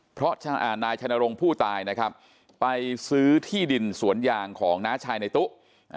เพราะนายชัยนรงค์ผู้ตายนะครับไปซื้อที่ดินสวนยางของน้าชายในตู้